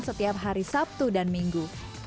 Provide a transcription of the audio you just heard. setiap hari sabtu dan minggu